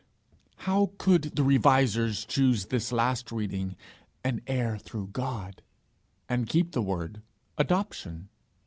How could the Revisers choose this last reading, 'an heir through God,' and keep the word adoption?